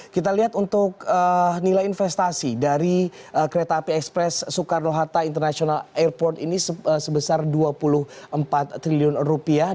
kita lihat untuk nilai investasi dari kereta api ekspres soekarno hatta international airport ini sebesar dua puluh empat triliun rupiah